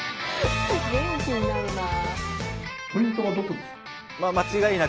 元気になるなぁ。